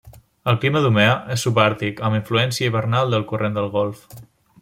El clima d'Umeå és subàrtic, amb influència hivernal del Corrent del Golf.